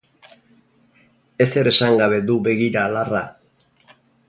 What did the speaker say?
Ezer esan gabe du begira Larra.